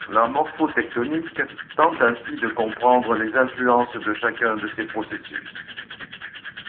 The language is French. La morphotectonique tente ainsi de comprendre les influences de chacun de ces processus.